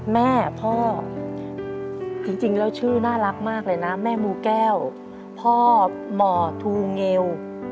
แม่พ่อจริงแล้วชื่อน่ารักมากเลยนะแม่มูแก้วพ่อหมอทูเงว